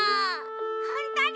ほんとだ！